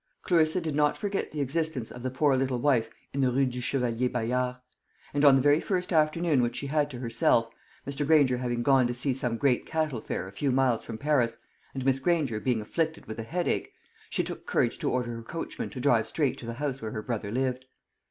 Clarissa did not forget the existence of the poor little wife in the Rue du Chevalier Bayard; and on the very first afternoon which she had to herself, Mr. Granger having gone to see some great cattle fair a few miles from Paris, and Miss Granger being afflicted with a headache, she took courage to order her coachman to drive straight to the house where her brother lived.